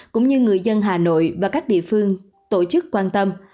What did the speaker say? cũng như người dân hà nội và các địa phương tổ chức quan tâm